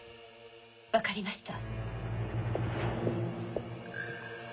分かりました。